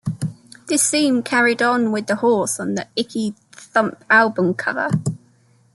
This theme carried on with the horse on the Icky Thump album cover.